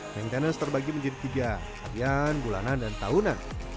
maintenance terbagi menjadi tiga harian bulanan dan tahunan